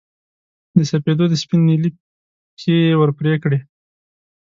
د سپېدو د سپین نیلي پښې یې ور پرې کړې